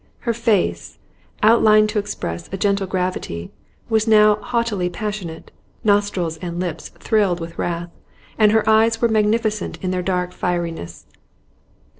Her face, outlined to express a gentle gravity, was now haughtily passionate; nostrils and lips thrilled with wrath, and her eyes were magnificent in their dark fieriness.